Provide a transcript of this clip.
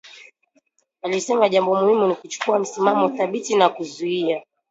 Alisema jambo muhimu ni kuchukua msimamo thabiti na kuzuia